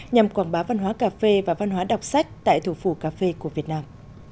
nhằm quảng bá văn hóa cà phê và văn hóa đọc sách tại thủ phủ cà phê của việt nam